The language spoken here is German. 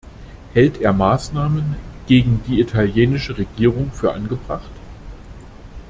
Hält er Maßnahmen gegen die italienische Regierung für angebracht?